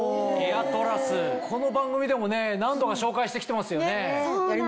この番組でもね何度も紹介してきてますよね。